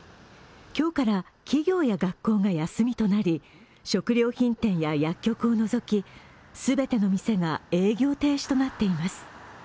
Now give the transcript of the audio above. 今日から企業や学校が休みとなり、食料品店や薬局を除き全ての店が営業停止となっています。